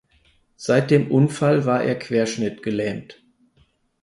Seit dem Unfall war er querschnittgelähmt.